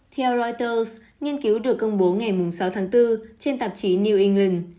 theo reuters nghiên cứu được công bố ngày sáu tháng bốn trên tạp chí new england